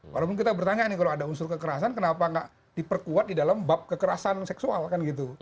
walaupun kita bertanya nih kalau ada unsur kekerasan kenapa gak diperkuat di dalam bab kekerasan seksual kan gitu